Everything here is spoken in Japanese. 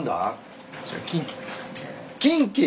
キンキ。